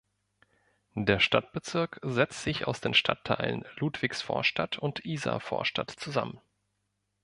Der Stadtbezirk setzt sich aus den Stadtteilen Ludwigsvorstadt und Isarvorstadt zusammen.